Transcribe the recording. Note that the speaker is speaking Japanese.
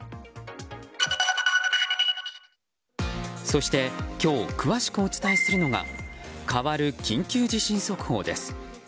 そして今日詳しくお伝えするのが変わる緊急地震速報です。